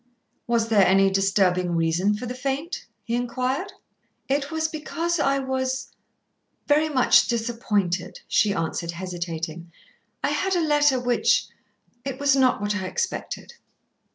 "Was there any disturbing reason for the faint?" he inquired. "It was because I was very much disappointed," she answered, hesitating. "I had a letter which It was not what I expected."